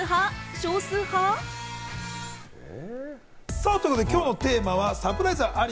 少数派？ということで、今日のテーマはサプライズあり？